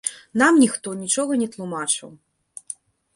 Нам ніхто нічога не тлумачыў.